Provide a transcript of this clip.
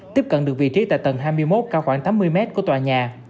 tiếp cận được vị trí tại tầng hai mươi một cao khoảng tám mươi mét của tòa nhà